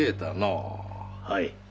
はい。